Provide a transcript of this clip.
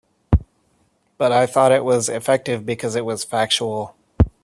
But I thought it was effective because it was factual.